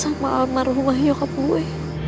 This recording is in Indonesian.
sama amar rumah nyokap gue